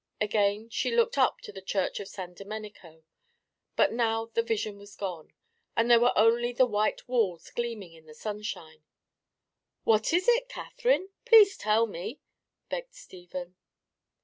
Again she looked up to the Church of San Domenico, but now the vision was gone, and there were only the white walls gleaming in the sunshine. "What was it, Catherine? Please tell me," begged Stephen.